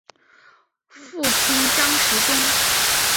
父亲张时中。